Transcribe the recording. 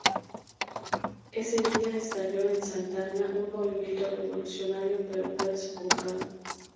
Ese día estalló en Santa Ana un Movimiento Revolucionario, pero fue sofocado.